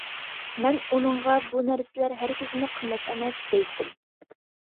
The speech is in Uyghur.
مەن ئۇنىڭغا بۇ نەرسىلەر ھەرگىزمۇ قىممەت ئەمەس دەيتتىم.